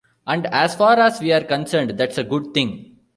And as far as we're concerned, that's a good thing.